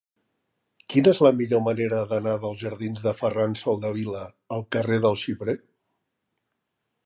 Quina és la millor manera d'anar dels jardins de Ferran Soldevila al carrer del Xiprer?